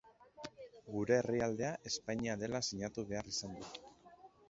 Gure herrialdea Espainia dela sinatu behar izan dut.